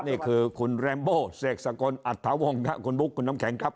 นี่คือคุณแรมโบเสกศักดิ์อัฐวงศ์คุณบุ๊คคุณน้ำแข็งครับ